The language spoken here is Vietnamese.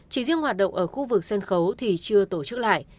chỉ riêng hoạt động ở khu vực sân khấu thì chưa tổ chức lại